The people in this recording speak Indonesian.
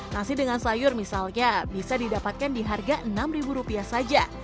nasi dengan sayur misalnya bisa didapatkan di harga enam ribu rupiah saja